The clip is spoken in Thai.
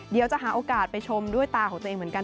เดี๋ยวจะหาโอกาสไปชมด้วยตาของตัวเองเหมือนกัน